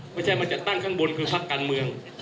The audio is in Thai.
ไม่ใช่มาจัดตั้งข้างบนคือพักการเมือง